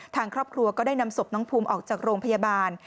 ทางครอบครัวก็ได้นำศพน้องภูมิออกจากโรงพยาบาล